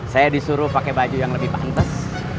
saya disuruh pakai baju yang lebih pantas